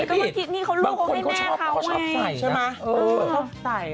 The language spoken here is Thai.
ก็ไม่ผิดนี่เขาลูกเขาให้แม่เขาไงบางคนก็ชอบใช่ไหมเออชอบใส่